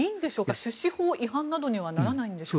出資法違反などにはならないんでしょうか。